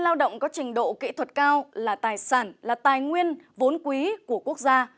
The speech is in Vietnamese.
lao động có trình độ kỹ thuật cao là tài sản là tài nguyên vốn quý của quốc gia